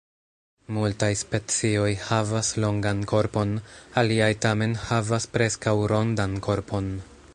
Multaj specioj havas longan korpon, aliaj tamen havas preskaŭ rondan korpon.